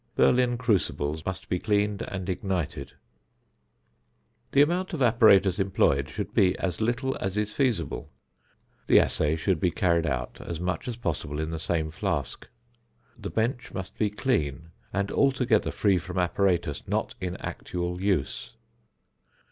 Berlin crucibles must be cleaned and ignited. The amount of apparatus employed should be as little as is feasible. The assay should be carried out as much as possible in the same flask. The bench must be clean, and altogether free from apparatus not in actual use.